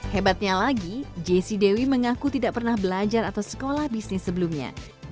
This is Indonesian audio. hebatnya lagi jessie dewi mengaku tidak pernah belajar atau sekolah bisnis sebelumnya